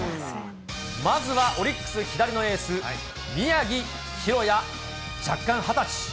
まずはオリックス左のエース、宮城大弥弱冠２０歳。